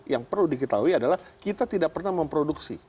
yang perlu diketahui adalah kita tidak pernah memproduksi